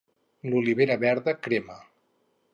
L'olivera verda crema.